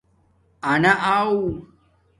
اَنا آݸ